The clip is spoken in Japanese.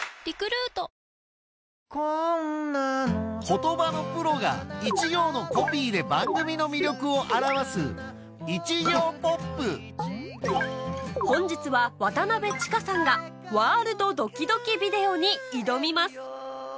言葉のプロが一行のコピーで番組の魅力を表す本日は渡千佳さんが『ワールドドキドキビデオ』に挑みます